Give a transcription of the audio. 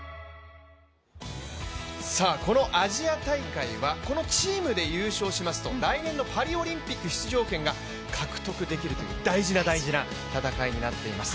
このアジア大会はこのチームで優勝しますと来年のパリオリンピック出場権が獲得できるという大事な大事な戦いになっています。